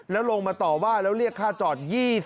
แล้วลงมาต่อว่าแล้วเรียกค่าจอด๒๐